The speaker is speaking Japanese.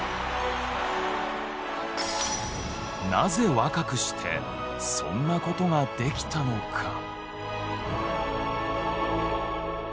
なぜ若くしてそんな事ができたのか？